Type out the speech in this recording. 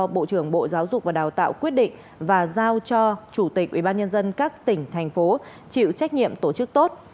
bộ trưởng bộ giáo dục và đào tạo quyết định và giao cho chủ tịch ubnd các tỉnh thành phố chịu trách nhiệm tổ chức tốt